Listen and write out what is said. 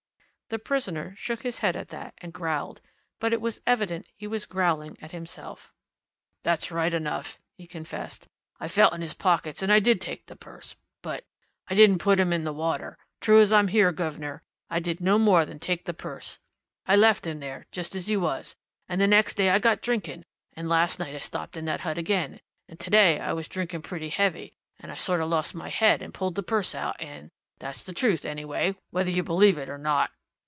The prisoner shook his head at that, and growled but it was evident he was growling at himself. "That's right enough," he confessed. "I felt in his pockets, and I did take the purse. But I didn't put him in the water. True as I'm here, guv'nor. I did no more than take the purse! I left him there just as he was and the next day I got drinking, and last night I stopped in that hut again, and today I was drinking, pretty heavy and I sort of lost my head and pulled the purse out, and that's the truth, anyway, whether you believe it or not.